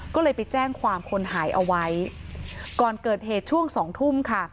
ก็เลยไปแจ้งความคนหายเอาไว้ก่อนเกิดเหตุช่วงสองทุ่มค่ะ